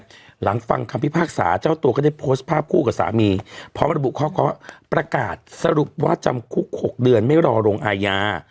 หลังฟังคำพิพากษาเจ้าตัวก็ได้โพสต์ภาพคู่กับสามีพร้อมระบุข้อความว่าประกาศสรุปว่าจำคุก๖เดือนไม่รอลงอาญา